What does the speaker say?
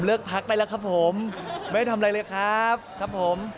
เลือกทักได้แล้วครับผมไม่ได้ทำอะไรเลยครับ